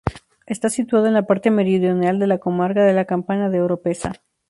Está situada en la parte meridional de la comarca de La Campana de Oropesa.